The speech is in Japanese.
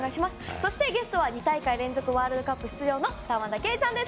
そしてゲストは２大会連続ワールドカップ出場の玉田圭司さんです。